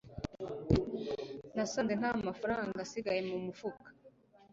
nasanze nta mafaranga asigaye mu mufuka